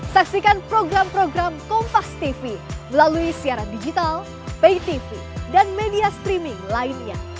saksikan program program kompastv melalui siaran digital paytv dan media streaming lainnya